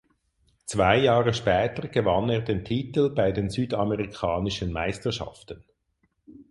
Zwei Jahre später gewann er den Titel bei den Südamerikanischen Meisterschaften.